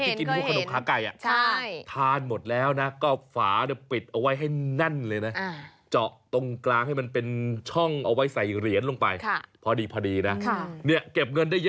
อีกหนึ่งไอเดียนะครับใครที่ชอบทาน้ำอัดลมนี่กระดกเข้าไปหมดขวดอั๊กกัลกัลกัลกัลค่ะ